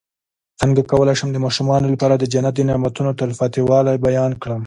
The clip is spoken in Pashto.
څنګه کولی شم د ماشومانو لپاره د جنت د نعمتو تلپاتې والی بیان کړم